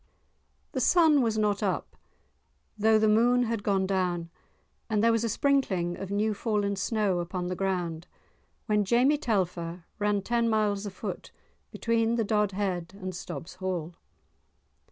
The sun was not up though the moon had gone down, and there was a sprinkling of new fallen snow upon the ground when Jamie Telfer ran ten miles a foot between the Dodhead and Stob's Hall.